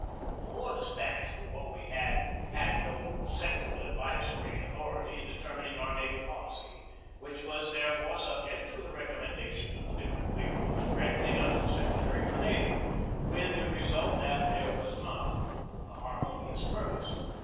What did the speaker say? Before the Spanish War we had had no central advisory authority in determining our naval policy, which was therefore subject to the recommenda tions of the different bureaus directly under the secretary of the navy, with the result that there was not a harmonious purpose.